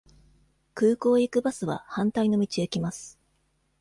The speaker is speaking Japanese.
空港へ行くバスは反対の道へ来ます。